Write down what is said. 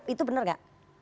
itu benar gak